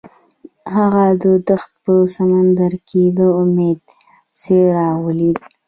هغه د دښته په سمندر کې د امید څراغ ولید.